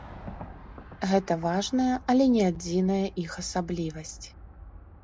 Гэта важная, але не адзіная іх асаблівасць.